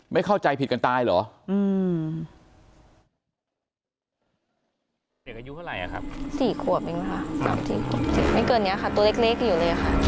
เข้าใจผิดกันตายเหรอ